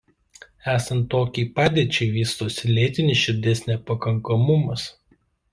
Esant tokiai padėčiai vystosi lėtinis širdies nepakankamumas.